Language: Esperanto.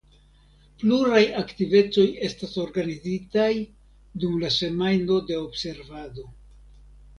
Pluraj aktivecoj estas organizitaj dum la semajno de observado.